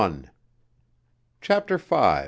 CHAPTER V.